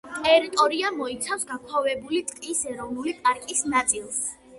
ტერიტორია მოიცავს გაქვავებული ტყის ეროვნული პარკის ნაწილს.